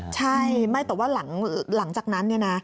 ใช่แต่ว่าหลังจากนั้น